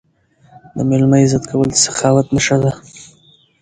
د میلمه عزت کول د سخاوت نښه ده.